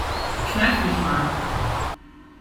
Kneif mich mal.